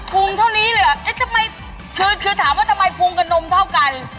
ภูมิเท่านี้เลยเหรอเอ๊ะทำไมคือคือถามว่าทำไมพุงกับนมเท่ากัน